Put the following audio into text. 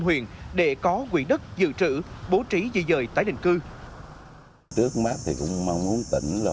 huyện để có nguyện đất dự trữ bố trí dị dời tái định cư trước mắt thì cũng mong muốn tỉnh là